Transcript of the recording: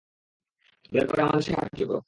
দয়া করে আমাদের সাহায্য করো!